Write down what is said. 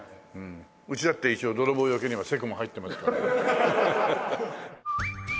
うちだって一応泥棒よけにはセコム入ってますから。